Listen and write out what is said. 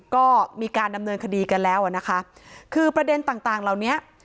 ก็มีการดำเนินคดีกันแล้วอ่ะนะคะคือประเด็นต่างต่างเหล่านี้